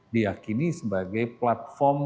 diakini sebagai platform